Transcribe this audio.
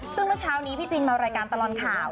ซึ่งเมื่อเช้านี้พี่จินมารายการตลอดข่าว